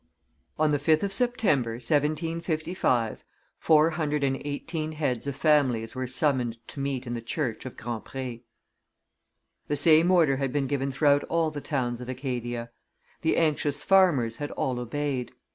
On the 5th of September, 1755, four hundred and eighteen heads of families were summoned to meet in the church of Grand Pre. The same order had been given throughout all the towns of Acadia. The anxious farmers had all obeyed.